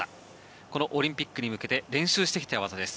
このオリンピックに向けて練習してきた技です。